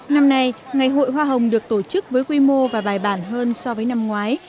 năm nay ngày hội hoa hồng được tổ chức với quy mô và bài bản hơn so với năm ngoái